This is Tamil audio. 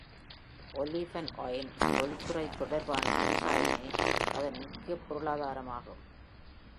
ஆலிவ் & ஒயின் தொழிற்துறை தொடர்பான விவசாயமே அதன் முக்கியப் பொருளாதாரம் ஆகும்.